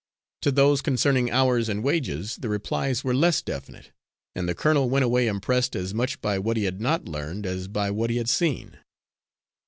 To those concerning hours and wages the replies were less definite, and the colonel went away impressed as much by what he had not learned as by what he had seen.